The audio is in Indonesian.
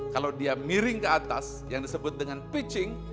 kalau dia miring ke atas yang disebut dengan pitching